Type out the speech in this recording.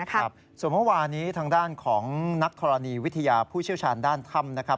ครับส่วนเมื่อวานี้ทางด้านของนักธรณีวิทยาผู้เชี่ยวชาญด้านถ้ำนะครับ